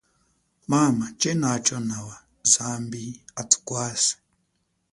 Mama, chenacho nawa, zambi athukwase.